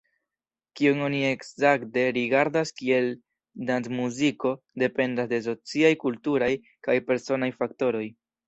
Kion oni ekzakte rigardas kiel dancmuziko, dependas de sociaj, kulturaj kaj personaj faktoroj.